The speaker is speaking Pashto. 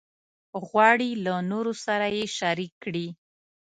غواړي له نورو سره یې شریک کړي.